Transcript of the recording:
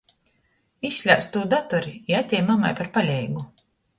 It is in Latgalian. Izslēdz tū datori i atej mamai par paleigu!